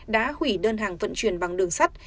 đã hủy đơn hàng vận chuyển bằng đường sắt